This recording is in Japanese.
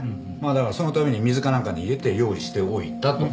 だからそのために水かなんかに入れて用意しておいたと。